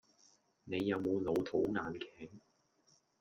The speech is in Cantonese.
你有冇老土眼鏡?